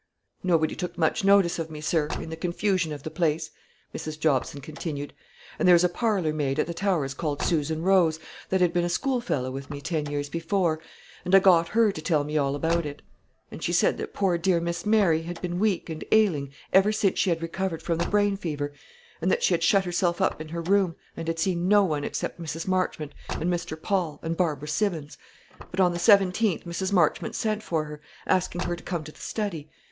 "Nobody took much notice of me, sir, in the confusion of the place," Mrs. Jobson continued; "and there is a parlour maid at the Towers called Susan Rose, that had been a schoolfellow with me ten years before, and I got her to tell me all about it. And she said that poor dear Miss Mary had been weak and ailing ever since she had recovered from the brain fever, and that she had shut herself up in her room, and had seen no one except Mrs. Marchmont, and Mr. Paul, and Barbara Simmons; but on the 17th Mrs. Marchmont sent for her, asking her to come to the study.